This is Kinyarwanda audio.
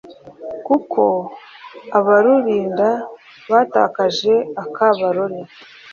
kuko abarurinda batakaje akabarore